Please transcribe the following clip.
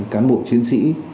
cán bộ chiến sĩ